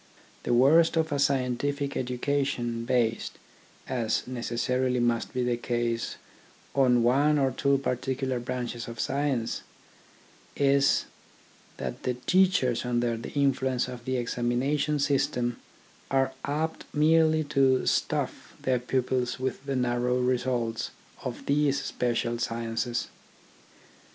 The worst of a scientific education based, as necessarily must be the case, on one or two particular branches of science, is that the teachers under the influence of the examination 46 THE ORGANISATION OF THOUGHT system are apt merely to stuff their pupils with the narrow results of these special sciences.